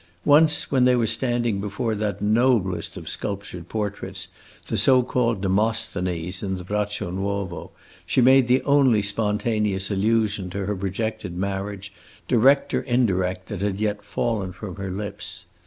Once, when they were standing before that noblest of sculptured portraits, the so called Demosthenes, in the Braccio Nuovo, she made the only spontaneous allusion to her projected marriage, direct or indirect, that had yet fallen from her lips.